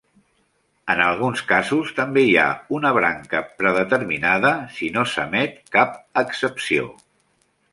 En alguns casos també hi ha una branca predeterminada, si no s'emet cap excepció.